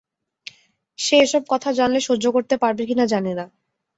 সে এসব কথা জানলে সহ্য করতে পারবে কিনা জানি না।